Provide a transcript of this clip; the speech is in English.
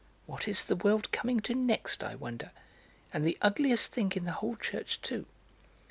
What is the world coming to next, I wonder! And the ugliest thing in the whole church, too."